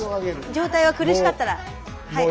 上体は苦しかったらはい。